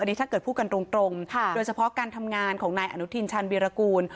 อันนี้ถ้าเกิดพูดกันตรงโดยเฉพาะการทำงานของนายอนุทินชาญวีรกูล